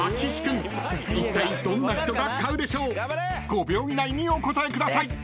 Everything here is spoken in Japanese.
［５秒以内にお答えください］